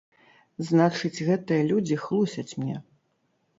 Значыць, гэтыя людзі хлусяць мне.